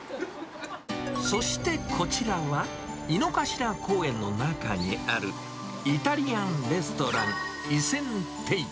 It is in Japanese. そしてこちらは、井の頭公園の中にあるイタリアンレストラン、イセンテイ。